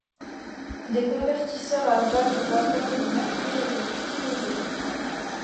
Des convertisseurs à valves à vapeur de mercure était utilisés.